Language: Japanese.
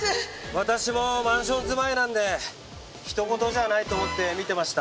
私もマンション住まいなんでひとごとじゃないと思って見てました。